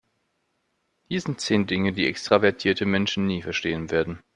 Hier sind zehn Dinge, die extravertierte Menschen nie verstehen werden.